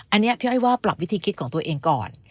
อันนี้พี่อ้อยว่าปรับวิธีคิดของตัวเองก่อน